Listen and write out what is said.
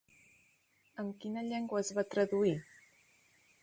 En quina llengua es va traduir?